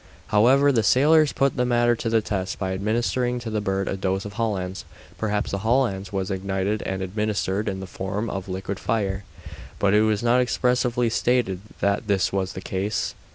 However, the sailors put the matter to the test by administering to the bird a dose of hollands; perhaps the hollands was ignited and administered in the form of liquid fire, but it is not expressly stated that this was the case.